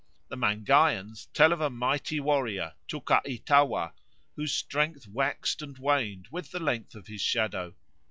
The Mangaians tell of a mighty warrior, Tukaitawa, whose strength waxed and waned with the length of his shadow.